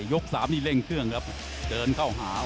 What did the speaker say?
ยก๓นี่เร่งเครื่องครับเดินเข้าหา